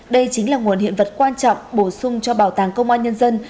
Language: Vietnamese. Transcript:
đây chính là nguồn hiện vật quan trọng bổ sung cho bảo tàng công an nhân dân